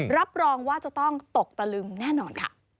รับรองว่าจะต้องตกตะลึงแน่นอนค่ะ